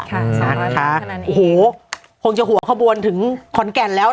ค่ะคนนั้นอีกโหคงจะหัวข้าวบนถึงคอนแก่นแล้ว